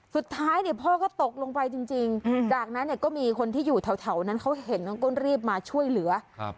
สุดท้ายเนี่ยพ่อก็ตกลงไปจริงจากนั้นเนี่ยก็มีคนที่อยู่แถวนั้นเขาเห็นเขาก็รีบมาช่วยเหลือ